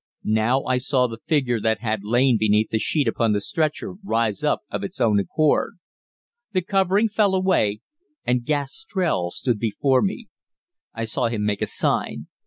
Now I saw the figure that had lain beneath the sheet upon the stretcher rise up of its own accord. The covering fell away, and Gastrell stood before me. I saw him make a sign.